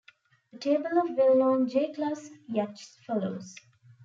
A table of well-known J-Class yachts follows.